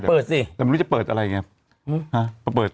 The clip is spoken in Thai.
แต่ไม่รู้จะเปิดอะไรอย่างนี้